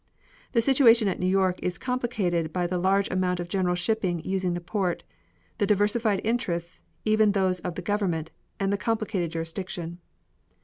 The situation at New York is complicated by the large amount of general shipping using the port, the diversified interests, even those of the government, and the complicated jurisdiction.